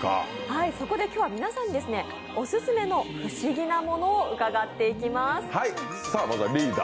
そこで今日は皆さんにオススメの不思議なものを伺っていきます。